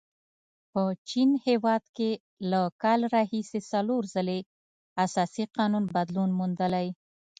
د چین په هیواد کې له کال راهیسې څلور ځلې اساسي قانون بدلون موندلی.